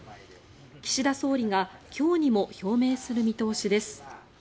岸田総理が今日にも表明する見通しです。